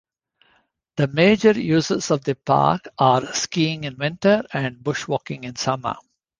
The major uses of the park are skiing in winter and bushwalking in summer.